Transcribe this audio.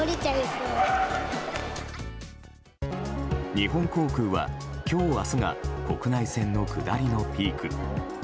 日本航空は今日、明日が国内線の下りのピーク。